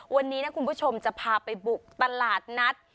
วันนี้นะคุณผู้ชมจะพาไปบุกตลาดนัด